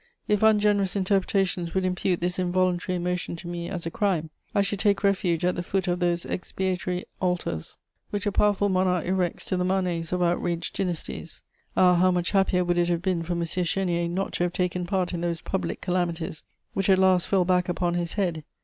If ungenerous interpretations would impute this involuntary emotion to me as a crime, I should take refuge at the foot of those expiatory altars which a powerful monarch erects to the manes of outraged dynasties. Ah, how much happier would it have been for M. Chénier not to have taken part in those public calamities which at last fell back upon his head!